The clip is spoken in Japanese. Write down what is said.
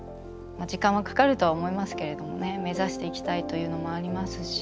時間はかかるとは思いますけれどもね目指していきたいというのもありますし。